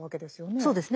そうですね。